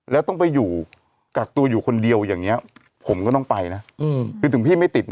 แล้วต้องไปอยู่กักตัวอยู่คนเดียวอย่างนี้ผมก็ต้องไปนะคือถึงพี่ไม่ติด